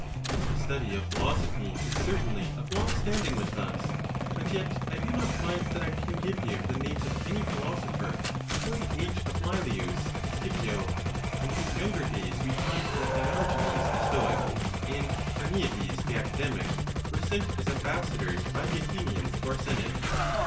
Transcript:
The study of philosophy is certainly of long stand ing with us; but yet I do not find that I can give you the names of any philosopher before the age of Lelius and Scipio, in whose younger days we find that Diogenes the Stoic, and Carneades the Academic, were sent as ambas sadors by the Athenians to our senate.